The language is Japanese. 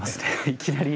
いきなり。